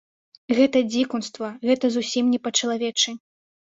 Гэта дзікунства, гэта зусім не па-чалавечы.